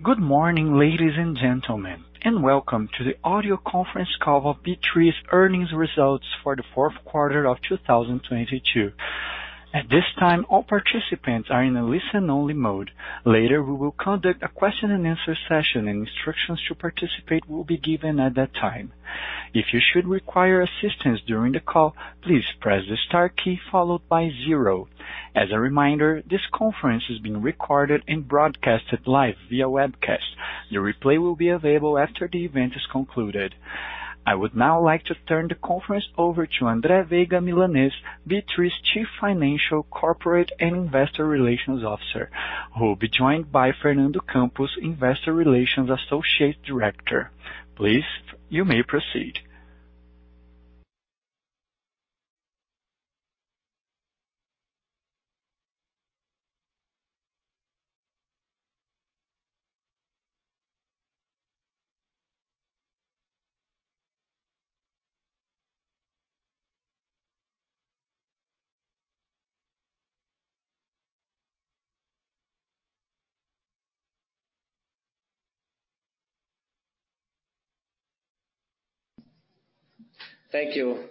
Good morning, ladies and gentlemen, and welcome to the audio conference call of B3's earnings results for the fourth quarter of 2022. At this time, all participants are in a listen-only mode. Later, we will conduct a question and answer session, and instructions to participate will be given at that time. If you should require assistance during the call, please press the star key followed by zero. As a reminder, this conference is being recorded and broadcasted live via webcast. The replay will be available after the event is concluded. I would now like to turn the conference over to André Veiga Milanez, B3's Chief Financial, Corporate and Investor Relations Officer, who will be joined by Fernando Campos, Investor Relations Associate Director. Please, you may proceed. Thank you.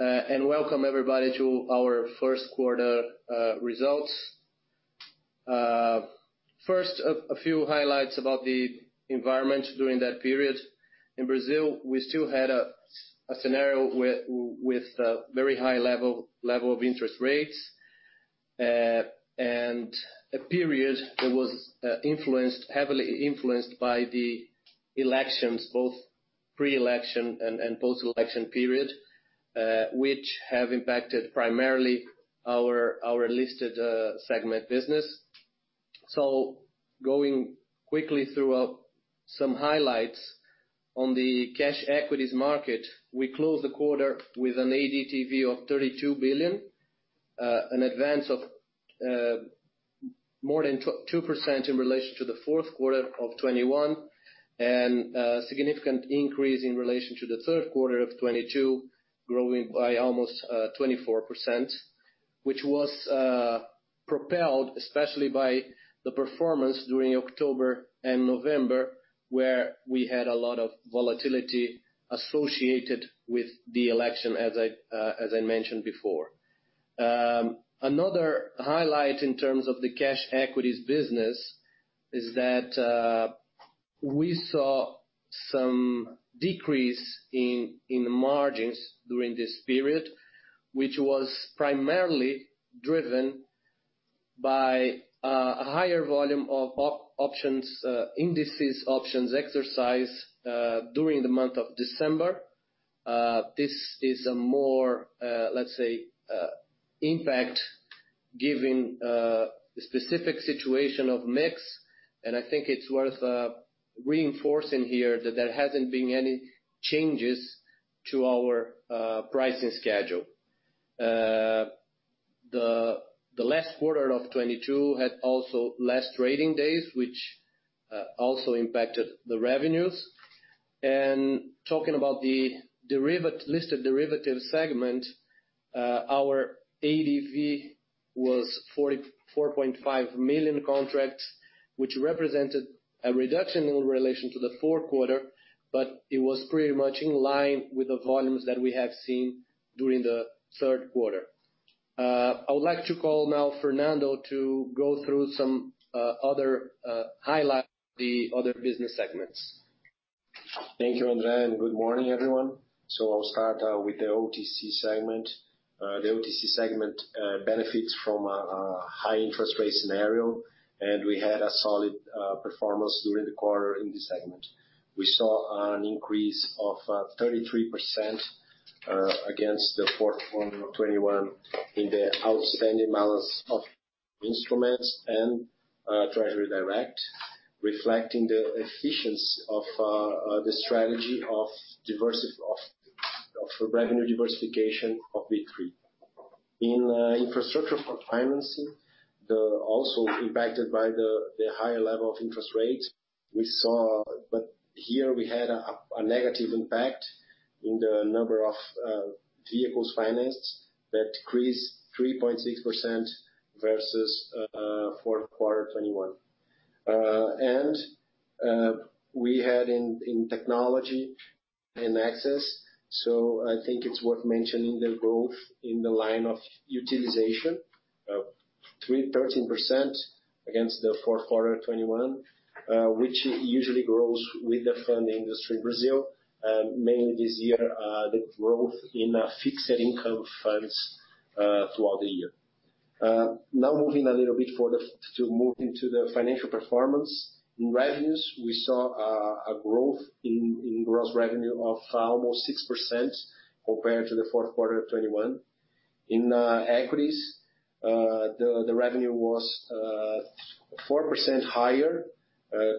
Welcome everybody to our first quarter results. First, a few highlights about the environment during that period. In Brazil we still had a scenario with a very high level of interest rates. A period that was heavily influenced by the elections, both pre-election and post-election period, which have impacted primarily our listed segment business. Going quickly through some highlights. On the cash equities market, we closed the quarter with an ADTV of 32 billion, an advance of more than 2% in relation to the fourth quarter of 2021. Significant increase in relation to the 3rd quarter of 2022, growing by almost 24%, which was propelled especially by the performance during October and November, where we had a lot of volatility associated with the election, as I mentioned before. Another highlight in terms of the cash equities business is that we saw some decrease in margins during this period, which was primarily driven by a higher volume of options, indices options exercised during the month of December. This is a more, let's say, impact given the specific situation of mix, and I think it's worth reinforcing here that there hasn't been any changes to our pricing schedule. The last quarter of 2022 had also less trading days, which also impacted the revenues. Talking about the listed derivative segment, our ADV was 44.5 million contracts, which represented a reduction in relation to the fourth quarter, but it was pretty much in line with the volumes that we have seen during the third quarter. I would like to call now Fernando to go through some other highlights of the other business segments. Thank you, André, and good morning, everyone. I'll start with the OTC segment. The OTC segment benefits from a high interest rate scenario, and we had a solid performance during the quarter in this segment. We saw an increase of 33% against the fourth quarter of 2021 in the outstanding balance of instruments and Tesouro Direto, reflecting the efficiency of the strategy of revenue diversification of B3. In infrastructure for financing, also impacted by the higher level of interest rates we saw. Here we had a negative impact in the number of vehicles financed. That decreased 3.6% versus fourth quarter 2021. We had in technology and access, I think it's worth mentioning the growth in the line of utilization of 3.13% against the fourth quarter of 2021, which usually grows with the funding industry in Brazil, mainly this year, the growth in fixed income funds throughout the year. Now moving a little bit to move into the financial performance. In revenues, we saw a growth in gross revenue of almost 6% compared to the fourth quarter of 2021. In equities, the revenue was 4% higher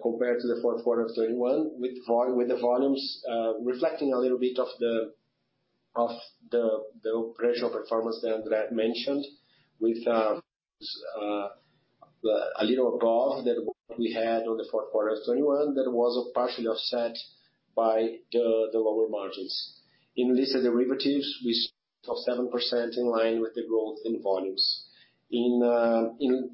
compared to the fourth quarter of 2021 with the volumes reflecting a little bit of the operational performance that André mentioned with a little above that we had on the fourth quarter of 2021 that was partially offset by the lower margins. In listed derivatives, we saw 7% in line with the growth in volumes. In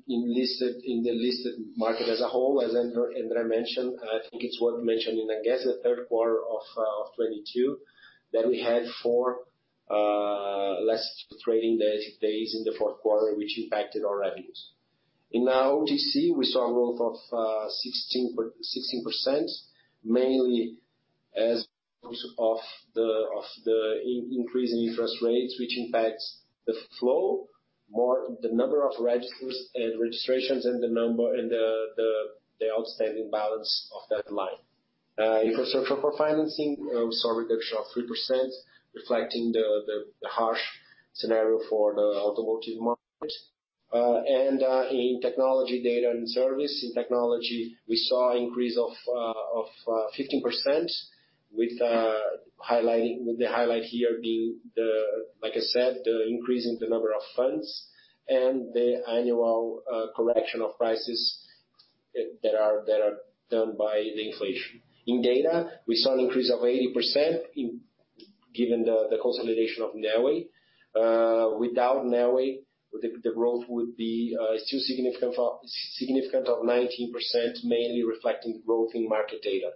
listed, in the listed market as a whole, as André mentioned, I think it's worth mentioning again, the third quarter of 2022, that we had 4 less trading days in the fourth quarter, which impacted our revenues. In our OTC, we saw a growth of 16. 16%, mainly as of the increase in interest rates, which impacts the flow, the number of registers and registrations and the outstanding balance of that line. Infrastructure for financing saw a reduction of 3% reflecting the harsh scenario for the automotive market. In technology data and service, in technology, we saw increase of 15% with the highlight here being the, like I said, the increase in the number of funds and the annual correction of prices that are done by the inflation. In data, we saw an increase of 80%. Given the consolidation of Neoway. Without Neoway, the growth would be still significant of 19%, mainly reflecting growth in market data.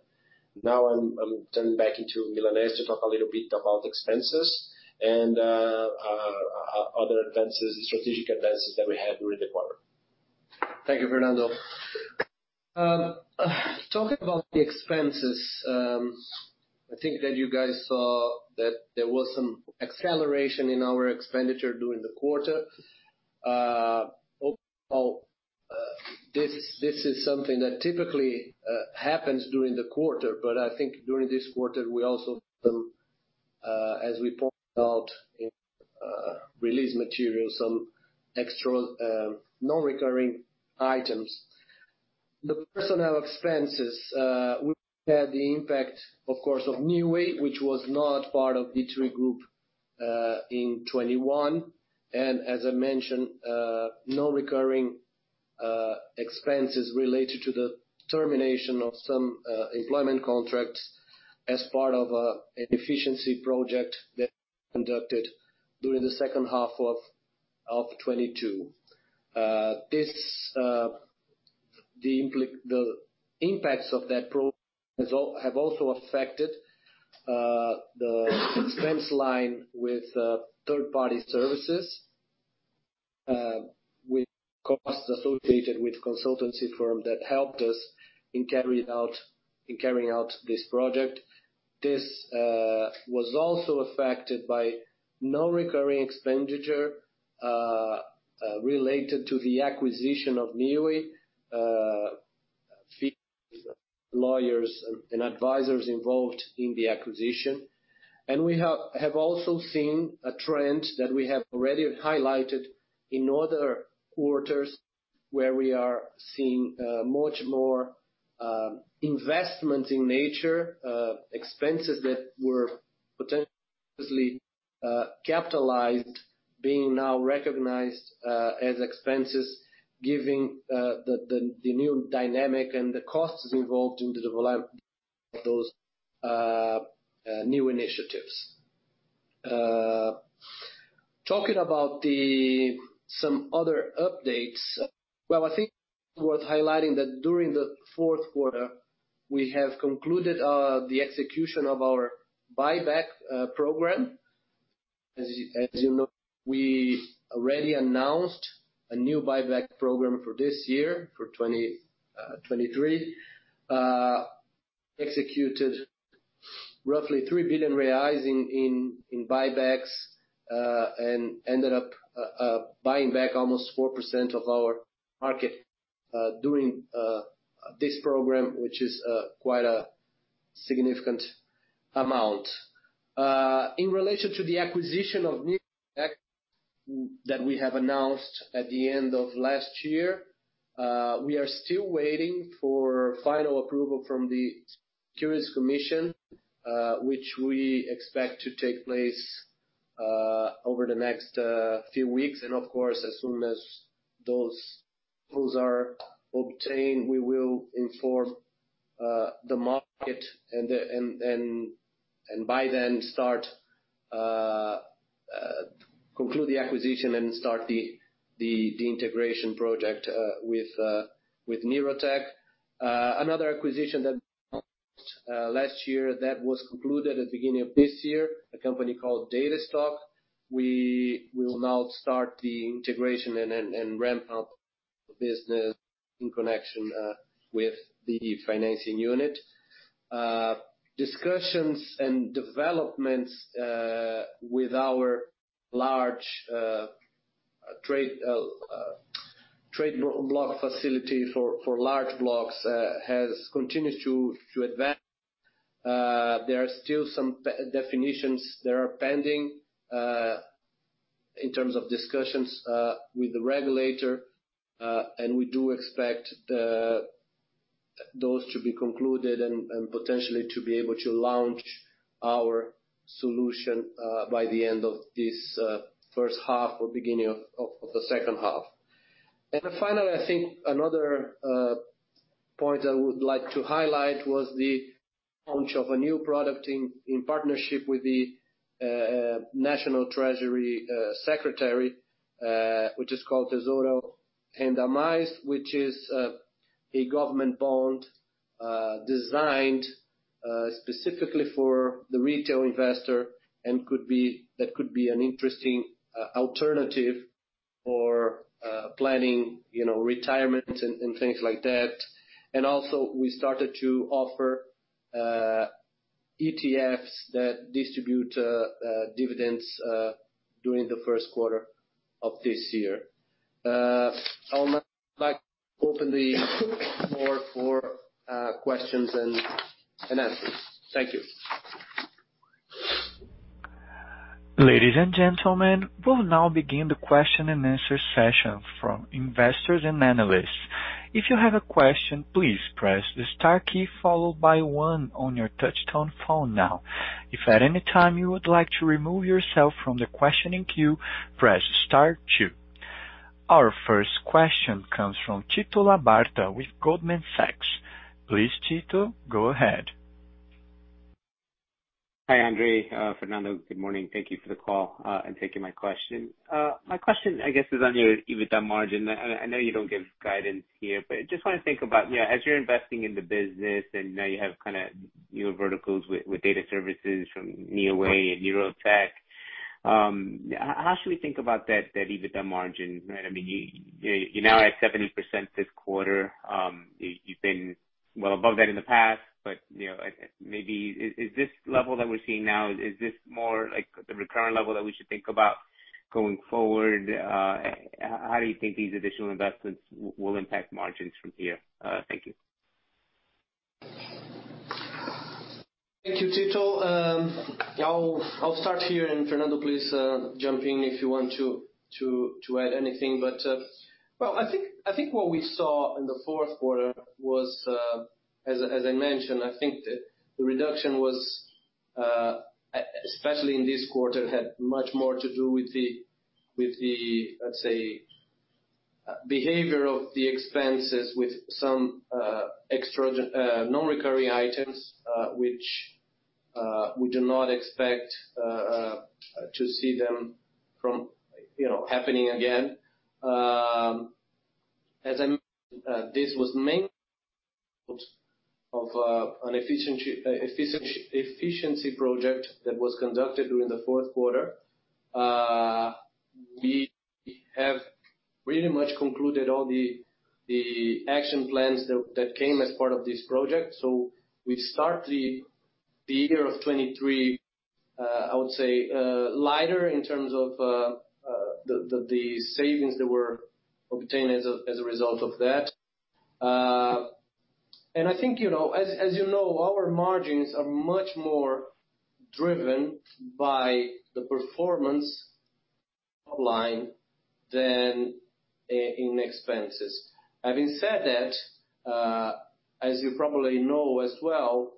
I'm turning back into Milanez to talk a little bit about expenses and other advances, strategic advances that we had during the quarter. Thank you, Fernando. Talking about the expenses, I think that you guys saw that there was some acceleration in our expenditure during the quarter. Overall, this is something that typically happens during the quarter, but I think during this quarter we also, as we pointed out in release materials, some extra non-recurring items. The personnel expenses, we had the impact of course of Neoway, which was not part of the B3 group, in 2021. As I mentioned, no recurring expenses related to the termination of some employment contracts as part of an efficiency project that conducted during the second half of 2022. The impacts of that have also affected the expense line with third-party services, with costs associated with consultancy firm that helped us in carrying out this project. This was also affected by non-recurring expenditure related to the acquisition of Neoway, fees, lawyers and advisors involved in the acquisition. We have also seen a trend that we have already highlighted in other quarters, where we are seeing much more investment in nature, expenses that were potentially capitalized, being now recognized as expenses giving the new dynamic and the costs involved in the development of those new initiatives. Talking about some other updates. I think worth highlighting that during the fourth quarter, we have concluded the execution of our buyback program. As you know, we already announced a new buyback program for this year, for 2023. Executed roughly 3 billion reais in buybacks. Ended up buying back almost 4% of our market during this program, which is quite a significant amount. In relation to the acquisition of Neoway that we have announced at the end of last year, we are still waiting for final approval from the Securities Commission, which we expect to take place over the next few weeks. Of course, as soon as those approvals are obtained, we will inform the market and by then conclude the acquisition and start the integration project with NeuroTech. Another acquisition that last year that was concluded at the beginning of this year, a company called Datastock. We will now start the integration and ramp up the business in connection with the financing unit. Discussions and developments with our large trade block facility for large blocks has continued to advance. There are still some de-definitions that are pending in terms of discussions with the regulator. We do expect those to be concluded and potentially to be able to launch our solution by the end of this first half or beginning of the second half. Finally, I think another point I would like to highlight was the launch of a new product in partnership with the National Treasury Secretary, which is called Tesouro RendA+, which is a government bond designed specifically for the retail investor and that could be an interesting alternative for planning, you know, retirement and things like that. Also, we started to offer ETFs that distribute dividends during the first quarter of this year. I would like to open the floor for questions and answers. Thank you. Ladies and gentlemen, we'll now begin the question-and-answer session from investors and analysts. If you have a question, please press the star key followed by one on your touch tone phone now. If at any time you would like to remove yourself from the questioning queue, press star two. Our first question comes from Tito Labarta with Goldman Sachs. Please, Tito, go ahead. Hi, André. Fernando, good morning. Thank you for the call and taking my question. My question, I guess, is on your EBITDA margin. I know you don't give guidance here, but just want to think about, you know, as you're investing in the business and now you have kinda your verticals with data services from Neoway and Neurotech, how should we think about that EBITDA margin, right? I mean, you're now at 70% this quarter. You've been well above that in the past, but, you know, like maybe is this level that we're seeing now, is this more like the recurrent level that we should think about going forward? How do you think these additional investments will impact margins from here? Thank you. Thank you, Tito Labarta. I'll start here and Fernando Campos please jump in if you want to add anything. Well, I think what we saw in the fourth quarter was as I mentioned, I think the reduction was especially in this quarter, had much more to do with the, let's say, behavior of the expenses with some extra non-recurring items, which we do not expect to see them from, you know, happening again. This was main of an efficiency project that was conducted during the fourth quarter. We have pretty much concluded all the action plans that came as part of this project. We start the year of 23, I would say, lighter in terms of the savings that were obtained as a result of that. I think, you know, as you know, our margins are much more driven by the performance top line than in expenses. Having said that, as you probably know as well,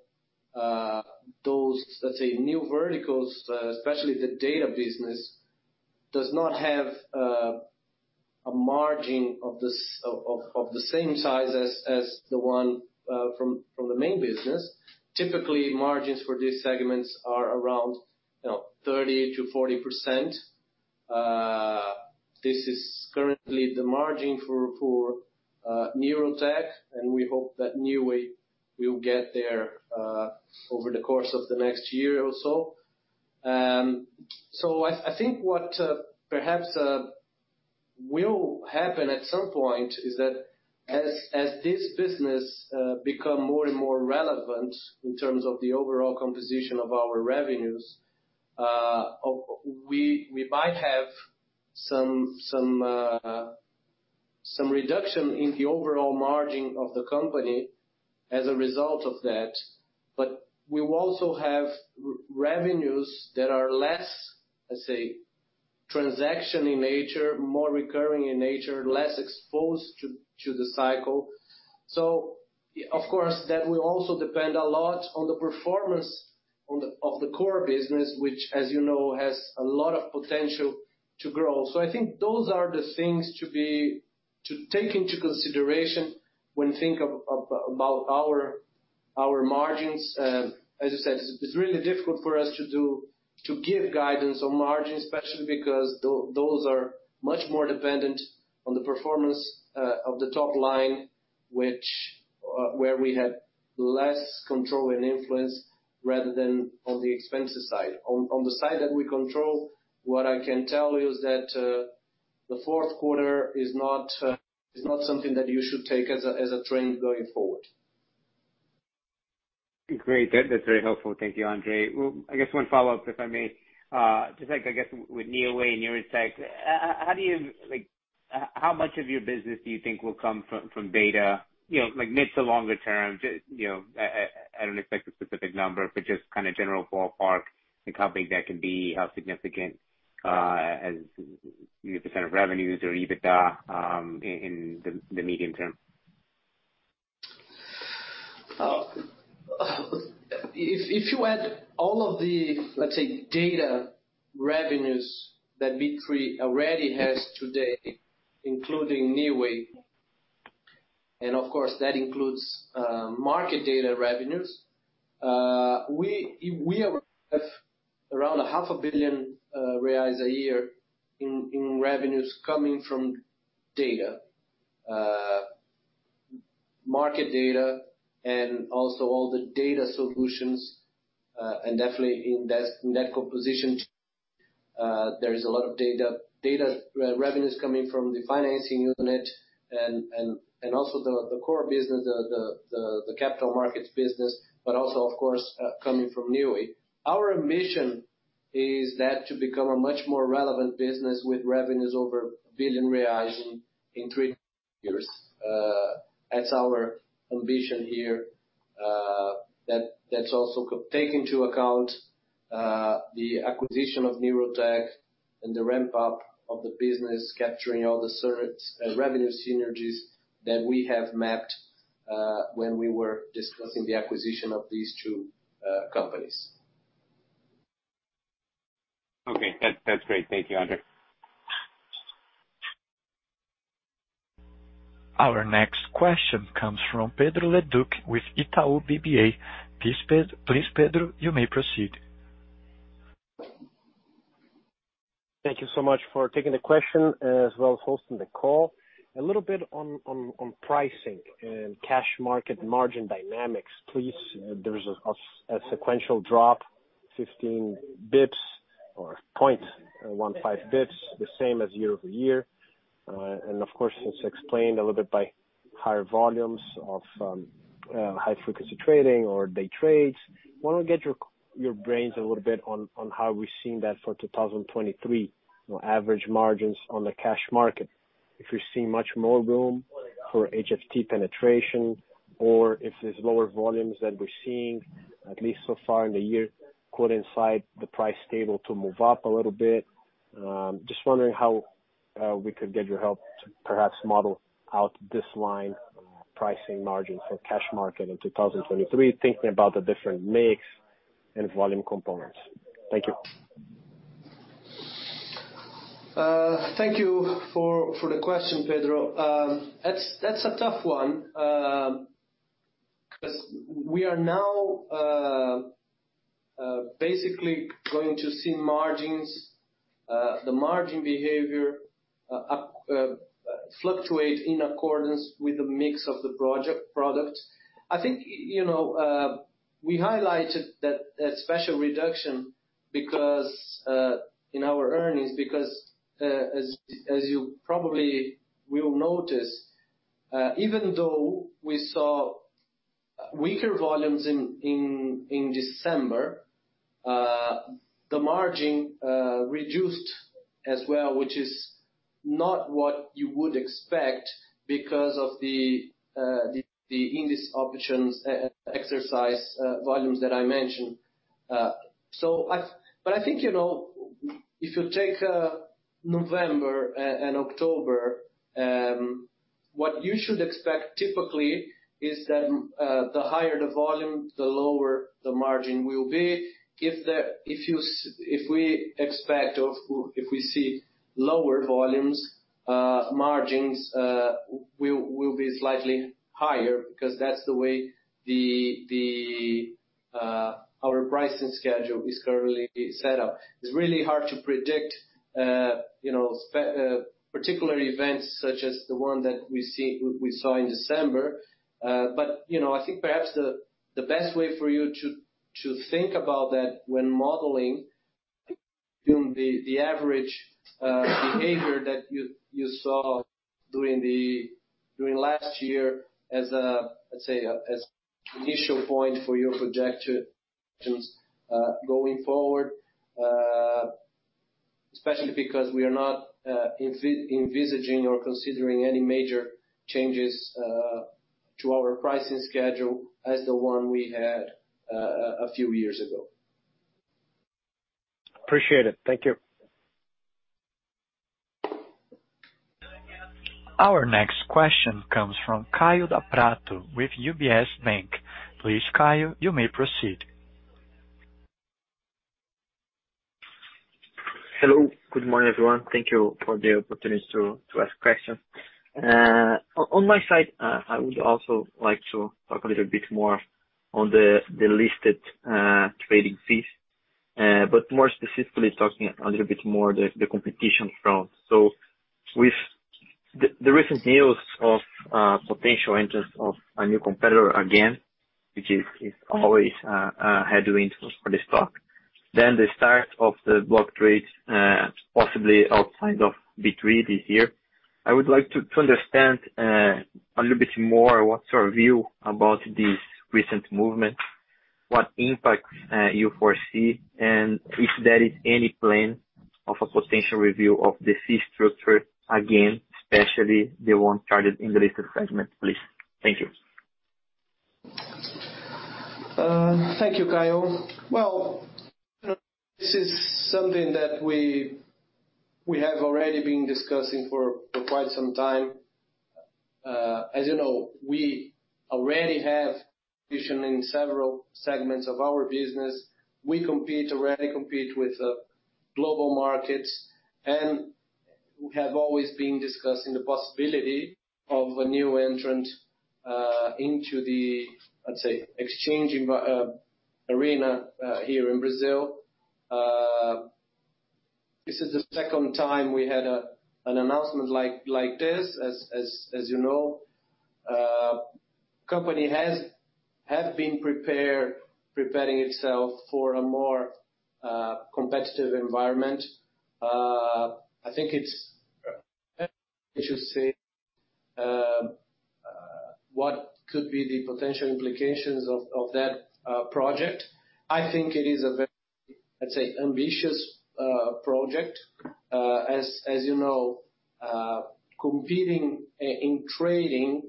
those, let's say, new verticals, especially the data business, does not have a margin of the same size as the one from the main business. Typically, margins for these segments are around, you know, 30%-40%. This is currently the margin for Neurotech, and we hope that Neoway will get there over the course of the next year or so. I think what, perhaps, will happen at some point is that as this business, become more and more relevant in terms of the overall composition of our revenues, we might have some reduction in the overall margin of the company as a result of that. We will also have revenues that are less, let's say, transaction in nature, more recurring in nature, less exposed to the cycle. Of course, that will also depend a lot on the performance of the core business, which as you know, has a lot of potential to grow. I think those are the things to take into consideration when think about our margins. As you said, it's really difficult for us to give guidance on margins, especially because those are much more dependent on the performance of the top line, which where we have less control and influence rather than on the expenses side. On the side that we control, what I can tell you is that the fourth quarter is not something that you should take as a trend going forward. Great. That's very helpful. Thank you, André. Well, I guess one follow-up, if I may. Just like, I guess, with Neoway and Neurotech, how do you, how much of your business do you think will come from data, you know, like mid to longer term? You know, I don't expect a specific number, but just kinda general ballpark, like how big that can be, how significant, as, you know, % of revenues or EBITDA, in the medium term. If you add all of the, let's say, data revenues that B3 already has today, including Neoway, and of course that includes market data revenues, we have around half a billion BRL a year in revenues coming from data. Market data and also all the data solutions, and definitely in that composition, there is a lot of data revenues coming from the financing unit and also the core business, the capital markets business, but also of course, coming from Neoway. Our mission is that to become a much more relevant business with revenues over 1 billion reais in 3 years. That's our ambition here. That's also take into account the acquisition of Neurotech and the ramp up of the business, capturing all the cert revenue synergies that we have mapped when we were discussing the acquisition of these two companies. Okay. That's great. Thank you, André. Our next question comes from Pedro Leduc with Itaú BBA. Please, Pedro, you may proceed. Thank you so much for taking the question as well as hosting the call. A little bit on pricing and cash market margin dynamics, please. There's a sequential drop, 15 bps or 0.15 bps, the same as year-over-year. Of course it's explained a little bit by higher volumes of high frequency trading or day trades. Wanna get your brains a little bit on how we're seeing that for 2023, you know, average margins on the cash market. If you're seeing much more room for HFT penetration or if there's lower volumes than we're seeing, at least so far in the year, could insight the price stable to move up a little bit? Just wondering how we could get your help to perhaps model out this line, pricing margin for cash market in 2023, thinking about the different mix and volume components. Thank you. Thank you for the question, Pedro. That's a tough one, 'cause we are now basically going to see margins, the margin behavior, fluctuate in accordance with the mix of the product. I think, you know, we highlighted that special reduction because in our earnings because as you probably will notice, even though we saw weaker volumes in December, the margin reduced as well, which is not what you would expect because of the index options exercise volumes that I mentioned. But I think, you know, if you take November and October, what you should expect typically is that the higher the volume, the lower the margin will be. If the... If we see lower volumes, margins will be slightly higher because that's the way the our pricing schedule is currently set up. It's really hard to predict, you know, particular events such as the one that we saw in December. You know, I think perhaps the best way for you to think about that when modeling, you know, the average behavior that you saw during last year as let's say, as initial point for your projections, going forward, especially because we are not envisaging or considering any major changes to our pricing schedule as the one we had a few years ago. Appreciate it. Thank you. Our next question comes from Kaio Prato with UBS. Please, Kaio, you may proceed. Hello. Good morning, everyone. Thank you for the opportunity to ask questions. On my side, I would also like to talk a little bit more on the listed trading fees. More specifically talking a little bit more the competition front. With the recent news of potential interest of a new competitor, again, which is always a headwind for the stock, then the start of the block trades possibly outside of B3 this year. I would like to understand a little bit more what's your view about this recent movement, what impacts you foresee, and if there is any plan of a potential review of the fee structure, again, especially the one charged in the listed segment, please. Thank you. Thank you, Kaio. This is something that we have already been discussing for quite some time. As you know, we already have positioning in several segments of our business. We already compete with global markets and we have always been discussing the possibility of a new entrant into the, let's say, exchange arena here in Brazil. This is the second time we had an announcement like this. As you know, company has been preparing itself for a more competitive environment. I should say what could be the potential implications of that project. I think it is a very, let's say, ambitious project. As you know, competing in trading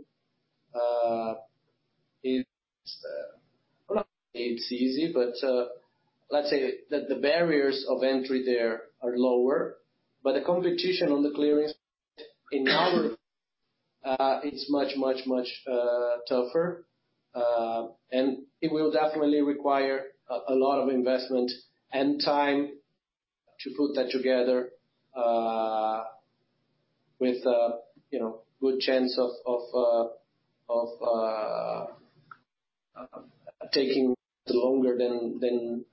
is not it's easy, let's say that the barriers of entry there are lower, but the competition on the clearing space in our is much, much, much tougher. It will definitely require a lot of investment and time to put that together, with you know, good chance of taking longer than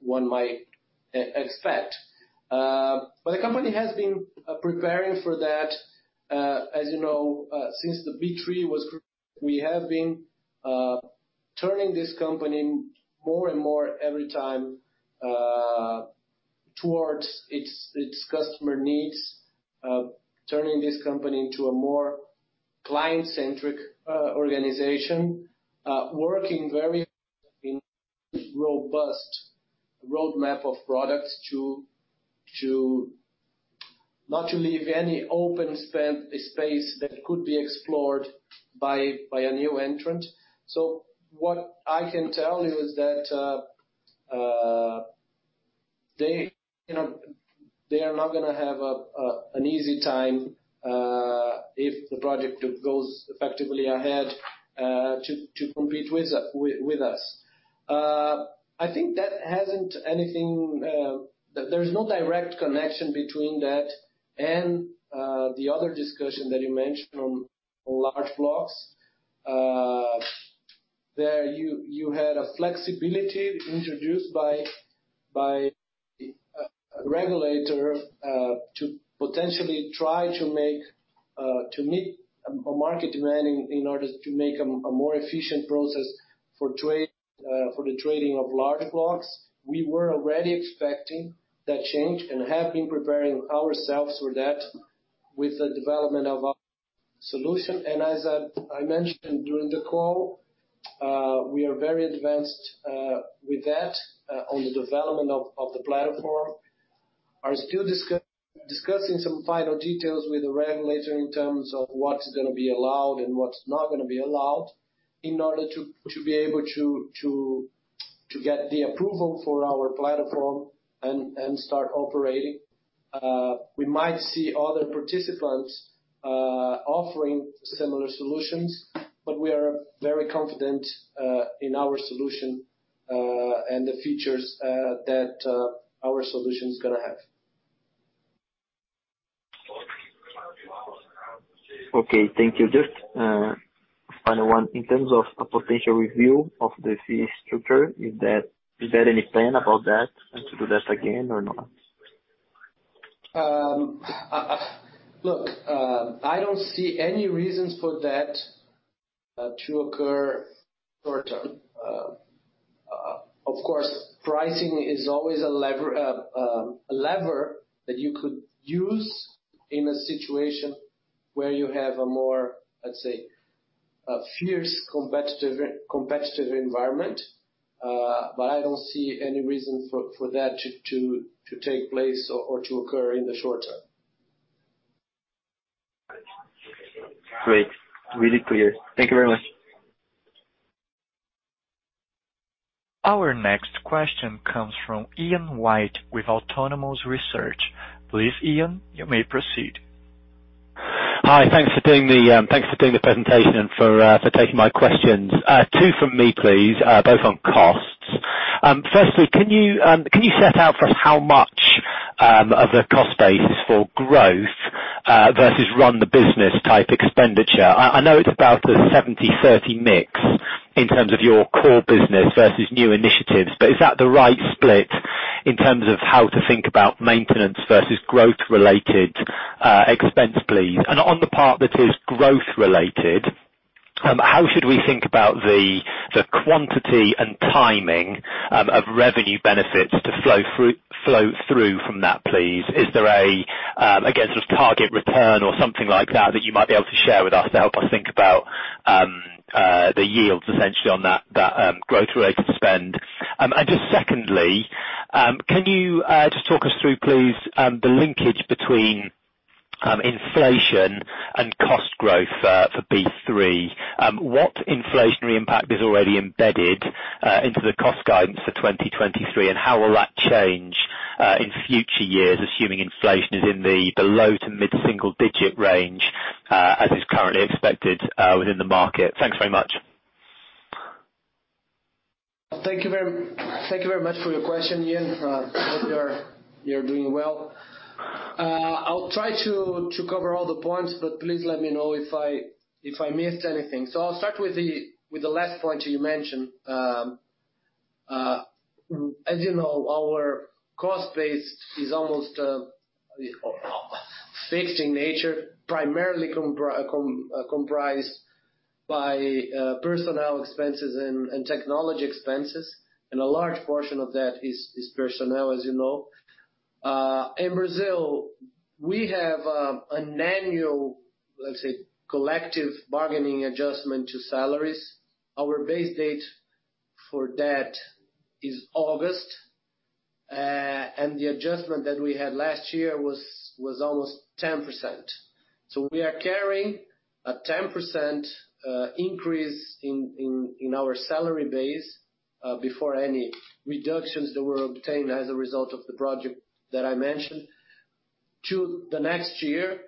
one might expect. The company has been preparing for that. As you know, since the B3 was created, we have been turning this company more and more every time towards its customer needs, turning this company into a more client-centric organization. Working very robust roadmap of products to not to leave any open space that could be explored by a new entrant. What I can tell you is that, they, you know, they are not gonna have an easy time if the project goes effectively ahead to compete with us. I think that hasn't anything. There's no direct connection between that and the other discussion that you mentioned on large blocks. There you had a flexibility introduced by a regulator to potentially try to make to meet a market demand in order to make a more efficient process for trade for the trading of large blocks. We were already expecting that change and have been preparing ourselves for that with the development of our solution. As I mentioned during the call, we are very advanced with that on the development of the platform. Are still discussing some final details with the regulator in terms of what is gonna be allowed and what's not gonna be allowed in order to be able to get the approval for our platform and start operating. We might see other participants offering similar solutions, but we are very confident in our solution and the features that our solution is gonna have. Okay. Thank you. Just, final one. In terms of a potential review of the fee structure, is there any plan about that and to do that again or not? Look, I don't see any reasons for that to occur short-term. Of course, pricing is always a lever, a lever that you could use in a situation where you have a more, let's say, a fierce competitive environment. I don't see any reason for that to take place or to occur in the short term. Great. Really clear. Thank you very much. Our next question comes from Ian White with Autonomous Research. Please, Ian, you may proceed. Hi. Thanks for doing the presentation and for taking my questions. Two from me, please, both on costs. Firstly, can you set out for us how much of the cost base is for growth versus run the business type expenditure? I know it's about a 70-30 mix in terms of your core business versus new initiatives, but is that the right split in terms of how to think about maintenance versus growth-related expense, please? On the part that is growth related, how should we think about the quantity and timing of revenue benefits to flow through from that, please? Is there a, I guess, just target return or something like that you might be able to share with us to help us think about the yields essentially on that growth-related spend? Just secondly, can you just talk us through please, the linkage between inflation and cost growth for B3. What inflationary impact is already embedded into the cost guidance for 2023, and how will that change in future years, assuming inflation is in the below to mid-single digit range, as is currently expected within the market? Thanks very much. Thank you very much for your question, Ian. I hope you are doing well. I'll try to cover all the points, but please let me know if I missed anything. I'll start with the last point you mentioned. As you know, our cost base is almost fixed in nature, primarily comprised by personnel expenses and technology expenses. A large portion of that is personnel, as you know. In Brazil, we have an annual, let's say, collective bargaining adjustment to salaries. Our base date for that is August. And the adjustment that we had last year was almost 10%. We are carrying a 10% increase in our salary base before any reductions that were obtained as a result of the project that I mentioned to the next year.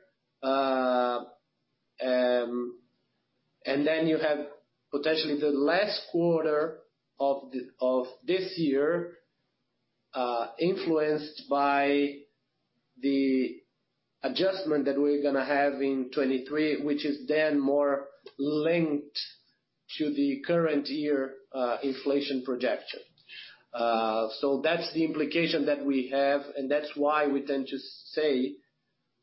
You have potentially the last quarter of this year influenced by the adjustment that we're gonna have in 23, which is then more linked to the current year inflation projection. That's the implication that we have, and that's why we tend to say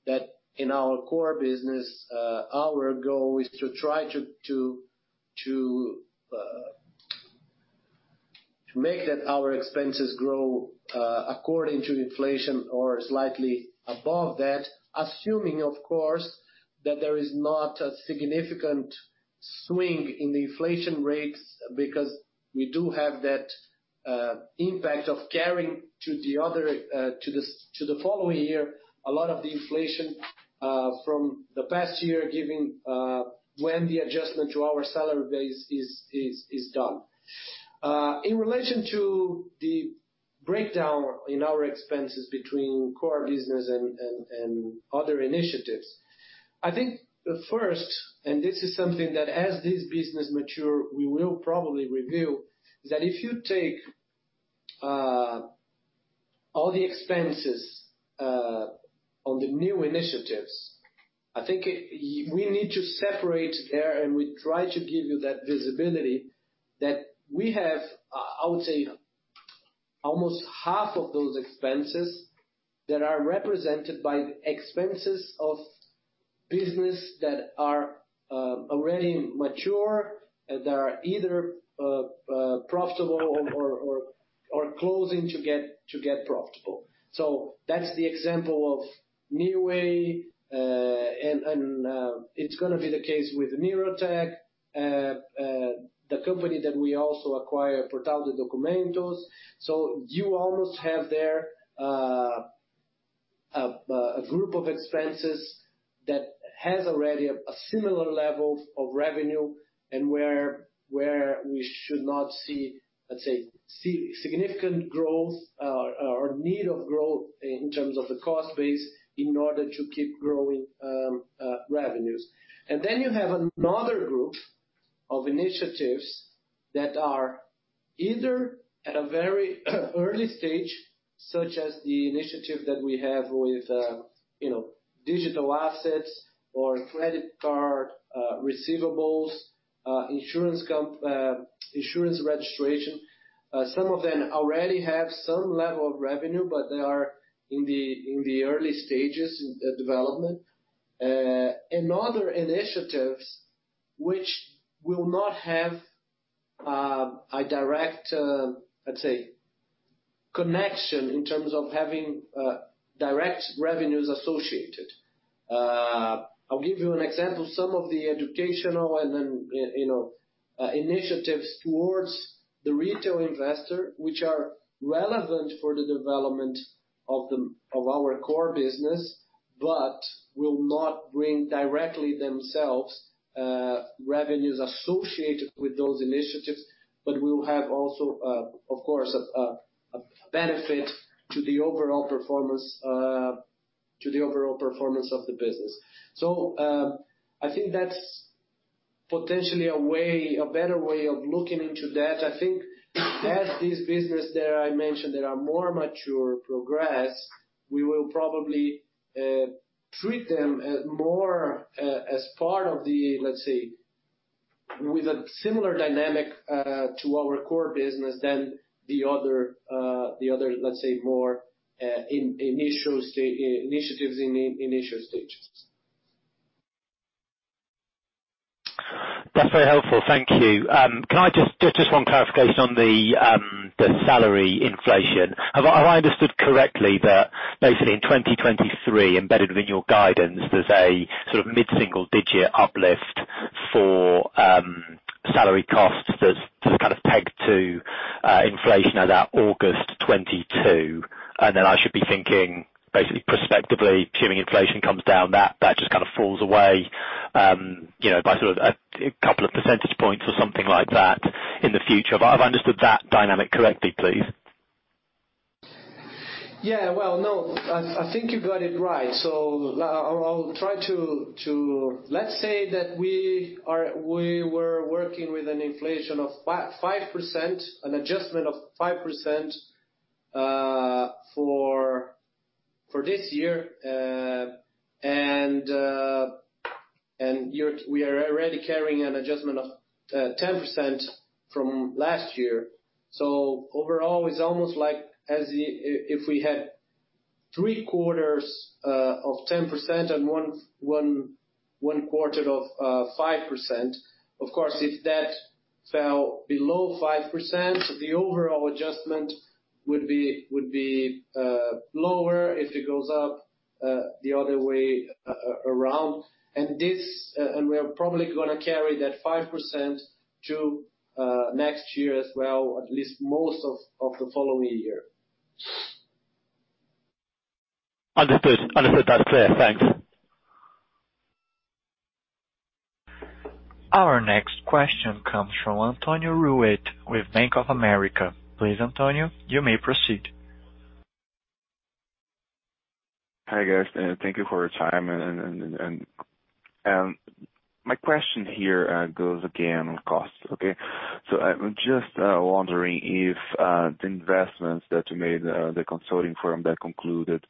that in our core business, our goal is to try to make that our expenses grow according to inflation or slightly above that. Assuming, of course, that there is not a significant swing in the inflation rates because we do have that impact of carrying to the other, to the following year, a lot of the inflation from the past year giving, when the adjustment to our salary base is done. In relation to the breakdown in our expenses between core business and other initiatives, I think first, and this is something that as this business mature we will probably review, is that if you take all the expenses on the new initiatives, we need to separate there and we try to give you that visibility that we have, I would say almost half of those expenses that are represented by expenses of business that are already mature, that are either profitable or closing to get profitable. That's the example of Neoway, and it's gonna be the case with Neurotech, the company that we also acquire, Portal de Documentos. You almost have there a group of expenses that has already a similar level of revenue and where we should not see, let's say, significant growth or need of growth in terms of the cost base in order to keep growing revenues. You have another group of initiatives that are either at a very early stage, such as the initiative that we have with, you know, digital assets or credit card receivables, insurance registration. Some of them already have some level of revenue, but they are in the early stages in the development. Other initiatives which will not have a direct, let's say connection in terms of having direct revenues associated. I'll give you an example. Some of the educational you know, initiatives towards the retail investor, which are relevant for the development of our core business, but will not bring directly themselves, revenues associated with those initiatives. We'll have also, of course, a benefit to the overall performance, to the overall performance of the business. I think that's potentially a way, a better way of looking into that. I think as this business that I mentioned that are more mature progress, we will probably treat them more as part of the, let's say, with a similar dynamic to our core business than the other, the other, let's say, more initial initiatives in the initial stages. That's very helpful. Thank you. Can I just just one clarification on the salary inflation. Have I understood correctly that basically in 2023 embedded within your guidance there's a sort of mid-single digit uplift for salary costs that's-To inflation at that August 2022, and then I should be thinking basically prospectively assuming inflation comes down, that just kind of falls away, you know, by sort of a couple of percentage points or something like that in the future. Have I understood that dynamic correctly, please? Yeah. Well, no, I think you got it right. I'll try to... Let's say that we were working with an inflation of 5%, an adjustment of 5%, for this year, and year... we are already carrying an adjustment of 10% from last year. Overall, it's almost like if we had 3 quarters of 10% and 1 quarter of 5%. Of course, if that fell below 5%, the overall adjustment would be lower if it goes up the other way around. This, and we're probably gonna carry that 5% to next year as well, at least most of the following year. Understood. Understood that clear. Thanks. Our next question comes from Antonio Ruette with Bank of America. Please, Antonio, you may proceed. Hi, guys, and thank you for your time. My question here goes again on costs, okay? I'm just wondering if the investments that you made, the consulting firm that concluded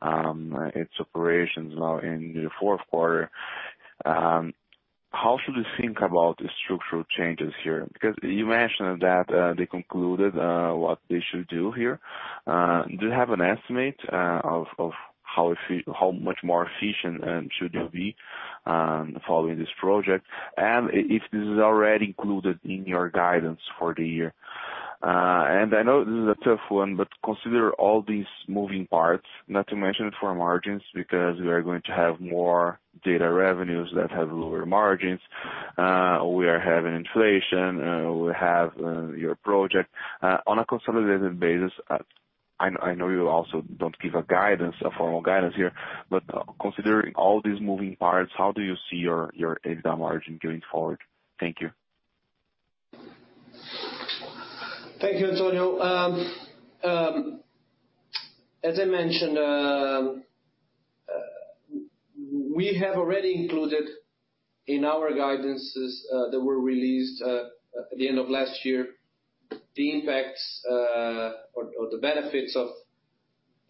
its operations now in the fourth quarter, how should we think about the structural changes here? Because you mentioned that they concluded what they should do here. Do you have an estimate of how much more efficient should you be following this project? Is this already included in your guidance for the year? I know this is a tough one, but consider all these moving parts, not to mention it for margins, because we are going to have more data revenues that have lower margins, we are having inflation, we have your project on a consolidated basis. I know you also don't give a guidance, a formal guidance here, but considering all these moving parts, how do you see your EBITDA margin going forward? Thank you. Thank you, Antonio. As I mentioned, we have already included in our guidances that were released at the end of last year, the impacts or the benefits of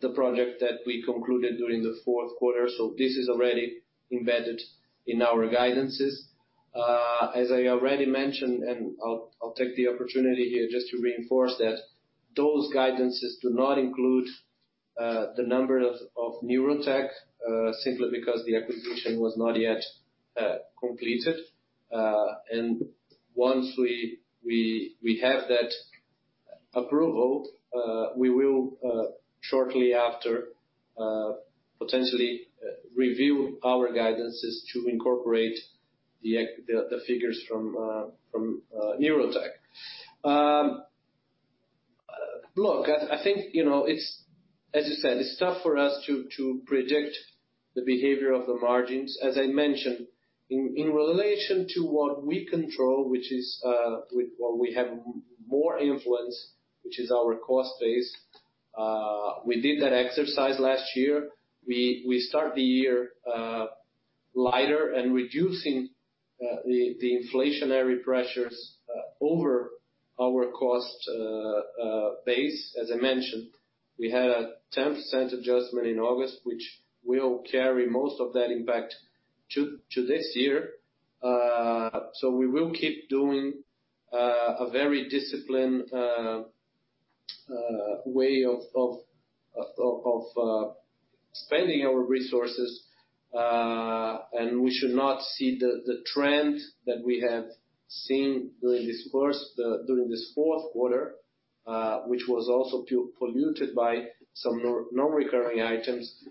the project that we concluded during the fourth quarter. This is already embedded in our guidances. As I already mentioned, and I'll take the opportunity here just to reinforce that those guidances do not include the number of NeuroTech, simply because the acquisition was not yet completed. Once we have that approval, we will shortly after potentially review our guidances to incorporate the figures from NeuroTech. Look, I think, you know, it's, as you said, it's tough for us to predict the behavior of the margins. As I mentioned, in relation to what we control, which is with what we have more influence, which is our cost base, we did that exercise last year. We start the year lighter and reducing the inflationary pressures over our cost base. As I mentioned, we had a 10% adjustment in August, which will carry most of that impact to this year. We will keep doing a very disciplined way of spending our resources. We should not see the trend that we have seen during this fourth quarter, which was also polluted by some non-recurring items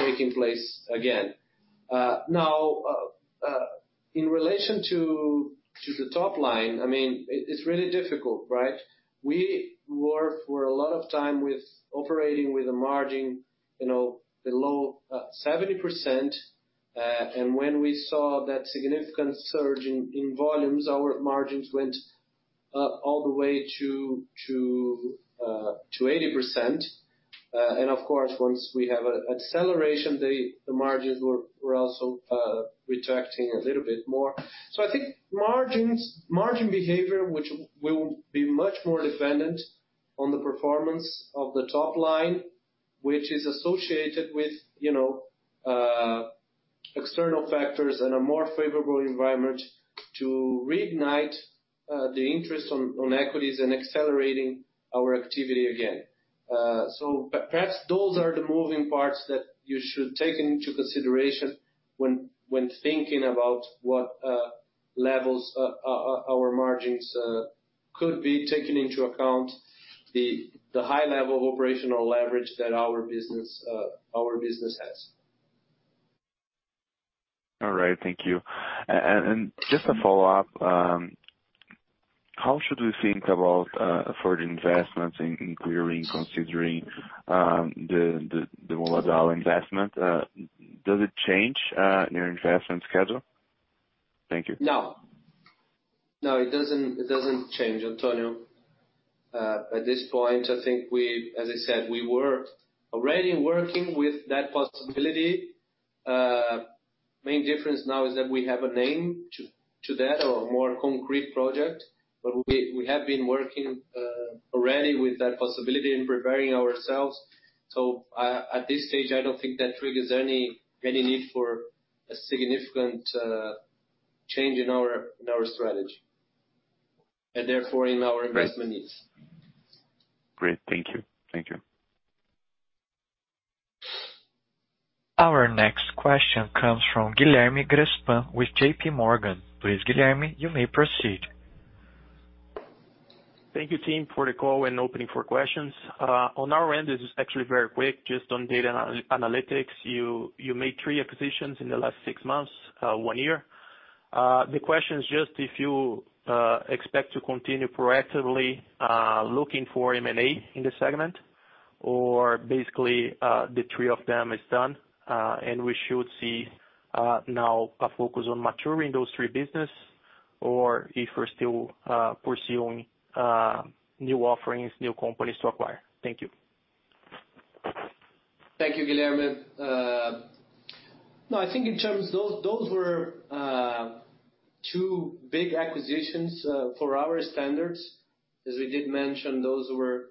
taking place again. In relation to the top line, I mean, it's really difficult, right? We were for a lot of time with operating with a margin, you know, below 70%. When we saw that significant surge in volumes, our margins went up all the way to 80%. Of course, once we have a acceleration, the margins were also retracting a little bit more. I think margin behavior, which will be much more dependent on the performance of the top line, which is associated with, you know, external factors and a more favorable environment to reignite the interest on equities and accelerating our activity again. Perhaps those are the moving parts that you should take into consideration when thinking about what levels our margins could be taking into account the high level of operational leverage that our business has. All right. Thank you. Just a follow-up. How should we think about further investments in querying, considering the Moeda investment? Does it change your investment schedule? Thank you. No, it doesn't, it doesn't change, Antonio. At this point, I think we as I said, we were already working with that possibility. Main difference now is that we have a name to that or more concrete project. We have been working already with that possibility and preparing ourselves. At this stage, I don't think that triggers any need for a significant change in our strategy and therefore in our investment needs. Great. Thank you. Thank you. Our next question comes from Guilherme Grespan with JP Morgan. Please, Guilherme, you may proceed. Thank you, team, for the call and opening for questions. On our end, this is actually very quick. Just on data analytics, you made three acquisitions in the last six months, one year. The question is just if you expect to continue proactively looking for M&A in this segment or basically, the three of them is done, and we should see now a focus on maturing those three business or if we're still pursuing new offerings, new companies to acquire. Thank you. Thank you, Guilherme. No, I think in terms those were two big acquisitions for our standards. As we did mention, those were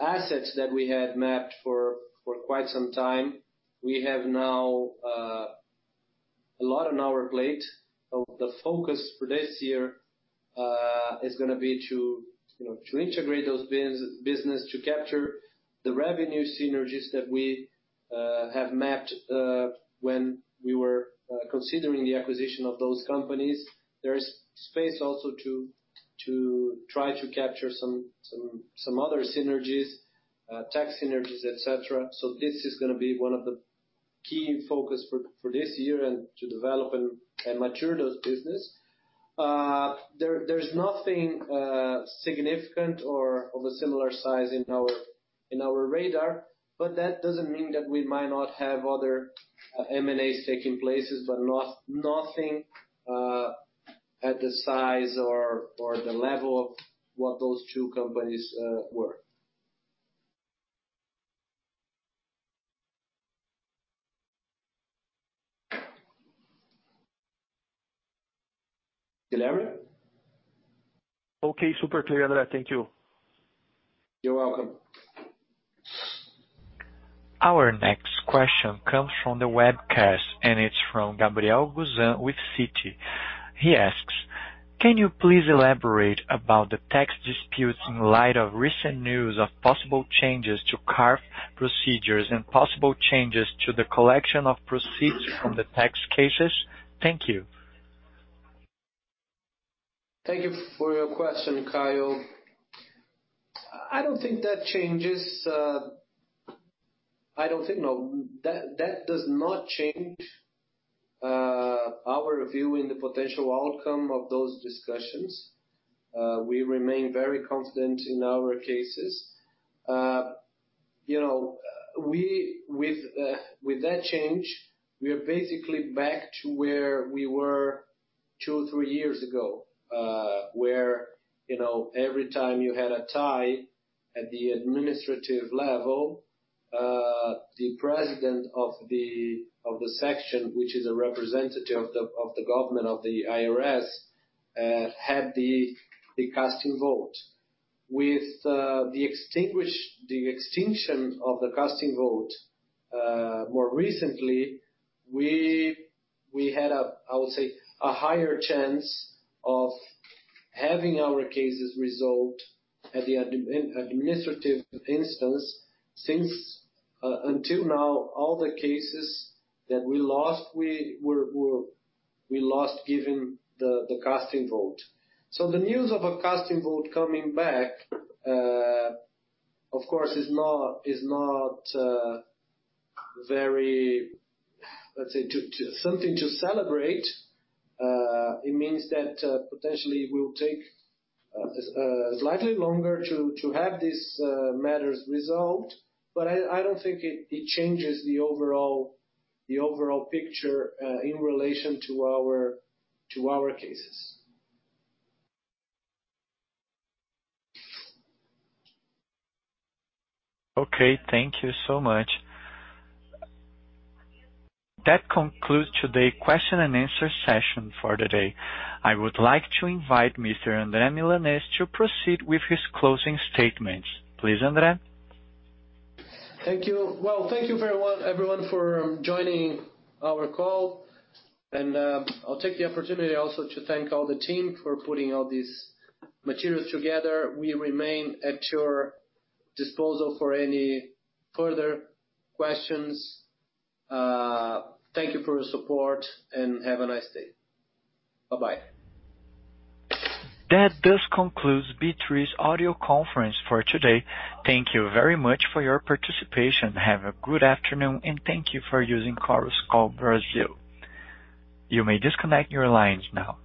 assets that we had mapped for quite some time. We have now a lot on our plate. The focus for this year is gonna be to, you know, to integrate those business, to capture the revenue synergies that we have mapped when we were considering the acquisition of those companies. There is space also to try to capture some other synergies, tech synergies, etc. This is gonna be one of the key focus for this year and to develop and mature those business. There's nothing significant or of a similar size in our radar, but that doesn't mean that we might not have other M&As taking places, but nothing at the size or the level of what those two companies were. Guilherme? Okay. Super clear, André. Thank you. You're welcome. Our next question comes from the webcast, and it's from Gabriel Gusan with Citi. He asks, "Can you please elaborate about the tax disputes in light of recent news of possible changes to CARF procedures and possible changes to the collection of proceeds from the tax cases? Thank you. Thank you for your question, Ga. I don't think that changes. I don't think, no. That does not change our view in the potential outcome of those discussions. We remain very confident in our cases. You know, with that change, we are basically back to where we were 2, 3 years ago, where, you know, every time you had a tie at the administrative level, the president of the section, which is a representative of the government of the IRS, had the casting vote. With the extinction of the casting vote, more recently, we had a, I would say, a higher chance of having our cases resolved at the administrative instance. Since, until now, all the cases that we lost, we lost given the casting vote. The news of a casting vote coming back, of course, is not, is not very, let's say, something to celebrate. It means that potentially it will take slightly longer to have these matters resolved. I don't think it changes the overall picture in relation to our cases. Okay. Thank you so much. That concludes today question and answer session for the day. I would like to invite Mr. André Milanez to proceed with his closing statements. Please, André. Thank you. Well, thank you everyone for joining our call. I'll take the opportunity also to thank all the team for putting all these materials together. We remain at your disposal for any further questions. Thank you for your support, and have a nice day. Bye-bye. That does conclude B3's audio conference for today. Thank you very much for your participation. Have a good afternoon, and thank you for using Chorus Call Brazil. You may disconnect your lines now.